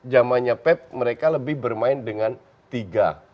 jamannya pep mereka lebih bermain dengan tiga